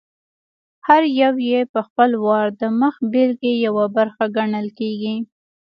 هر یو یې په خپل وار د مخبېلګې یوه برخه ګڼل کېږي.